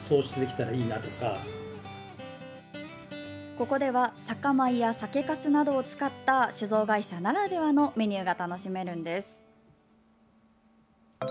ここでは酒米や酒かすなどを使った酒造会社ならではのメニューが楽しめるんです。